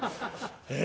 え